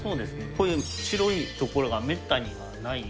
こういう白いところはめったにない。